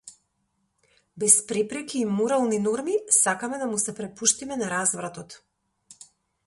Без препреки и морални норми сакаме да му се препуштиме на развратот.